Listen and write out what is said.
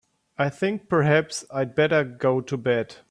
I think perhaps I'd better go to bed.